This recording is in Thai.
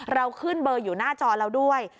เราขึ้นเบอร์อยู่หน้าจอเราด้วย